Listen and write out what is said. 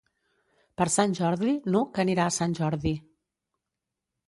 Per Sant Jordi n'Hug anirà a Sant Jordi.